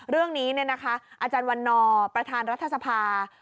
เรื่องนี้เนี่ยนะคะอาจารย์วันนประธานรัฐสภา